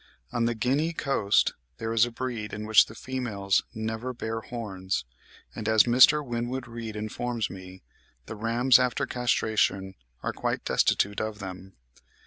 On the Guinea coast there is a breed in which the females never bear horns, and, as Mr. Winwood Reade informs me, the rams after castration are quite destitute of them.